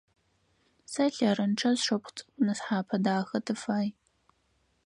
Сэ лъэрычъэ, сшыпхъу цӏыкӏу нысхъапэ дахэ тыфай.